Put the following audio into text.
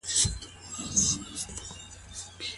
ولې افغان سوداګر ساختماني مواد له چین څخه واردوي؟